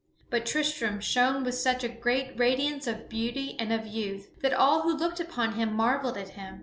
But Tristram shone with such a great radiance of beauty and of youth that all who looked upon him marvelled at him.